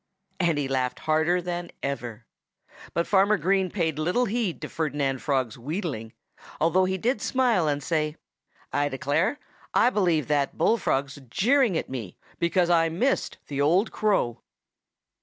And he laughed harder than ever. But Farmer Green paid little heed to Ferdinand Frog's wheedling, although he did smile and say: "I declare, I believe that bull frog's jeering at me because I missed the old crow!"